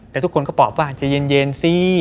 แล้วทุกคนก็บอกว่าเย็นซิ